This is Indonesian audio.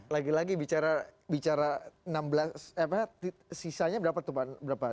lagi lagi bicara enam belas sisanya berapa tuh pak